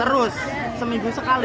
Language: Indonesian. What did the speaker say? terus seminggu sekali